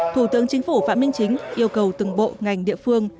thủ tướng chính phủ phạm minh chính yêu cầu từng bộ ngành địa phương